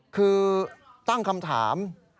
คือตั้งคำถาม